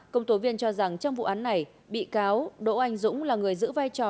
công tố viên cho rằng trong vụ án này bị cáo đỗ anh dũng là người giữ vai trò